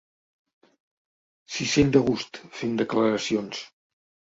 S'hi sent de gust, fent declaracions.